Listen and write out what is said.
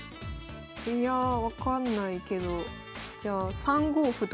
いや分かんないけどじゃあ３五歩とかにします。